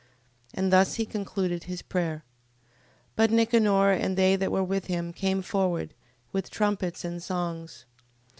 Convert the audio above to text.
And thus he concluded his prayer. 15:25. But Nicanor, and they that were with him came forward, with trumpets and songs.